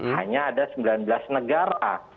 hanya ada sembilan belas negara